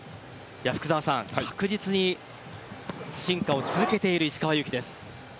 福澤さん、確実に進化を続けている石川祐希です。